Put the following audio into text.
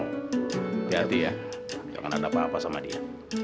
hati hati ya jangan ada apa apa sama dia